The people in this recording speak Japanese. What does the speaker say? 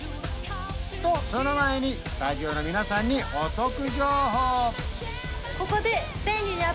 とその前にスタジオの皆さんにお得情報